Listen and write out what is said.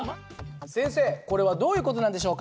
先生これはどういう事なんでしょうか？